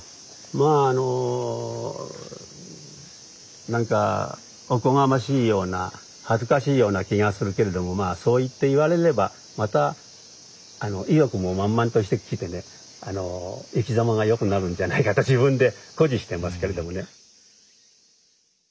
まああのなんかおこがましいような恥ずかしいような気がするけれどもまあそういって言われればまた意欲も満々としてきてね生きざまがよくなるんじゃないかと自分で誇示してますけれどもね。